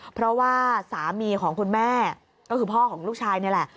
เพราะว่าสามีของคุณแม่ก็คือพ่อของลูกชายนี่แหละ